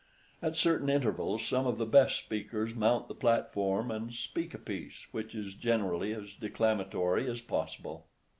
At certain intervals, some of the best speakers mount the platform, and "speak a piece," which is generally as declamatory as possible.